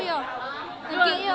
điểm mẫu thương mại điểm cao mà